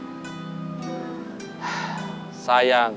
sayang kalau ending ceritanya harus seperti sekarang ini